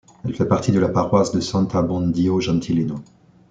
Elle fait partie de la paroisse de Sant'Abbondio Gentilino.